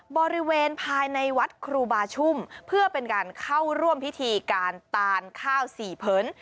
บริเวณภายในวัดครูบาชุ่มเพื่อเป็นการเข้าร่วมพิธีการตานข้าวสี่เผิน